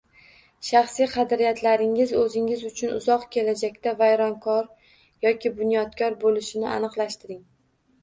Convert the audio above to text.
Shaxsiy qadriyatlaringiz o’zingiz uchun uzoq kelajakda vayronkor yoki bunyodkor bo’lishini aniqlashtiring